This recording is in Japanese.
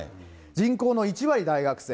人口の１割大学生。